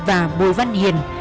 và bùi văn hiền